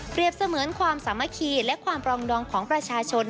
เสมือนความสามัคคีและความปรองดองของประชาชน